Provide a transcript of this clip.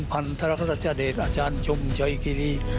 คุณพันธรรกรรจาเดชอาจารย์ชมชัยกิรี